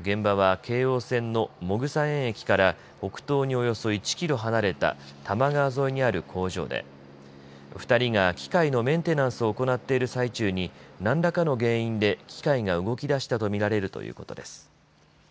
現場は京王線の百草園駅から北東におよそ１キロ離れた多摩川沿いにある工場で２人が機械のメンテナンスを行っている最中に何らかの原因で機械が動きだしたと見られるということです。